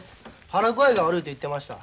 腹具合が悪いと言ってました。